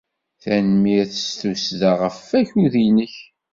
Tanemmirt s tussda ɣef wakud-nnek.